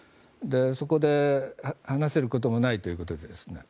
そこで話せることもないということですね。